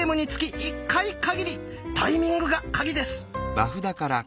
タイミングがカギです！